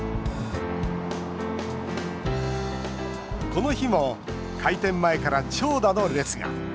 この日も開店前から長蛇の列が。